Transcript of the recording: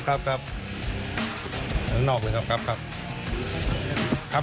ด้านนอกหน่อยครับ